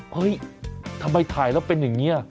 เฮ้ยทำไมถ่ายแล้วเป็นอย่างนี้